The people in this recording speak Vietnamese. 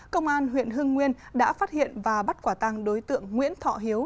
công an huyện hưng nguyên đã phát hiện và bắt quả tăng đối tượng nguyễn thọ hiếu